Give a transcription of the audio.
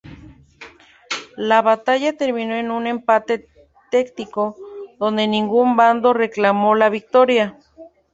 La batalla terminó en un empate táctico donde ningún bando reclamó la victoria.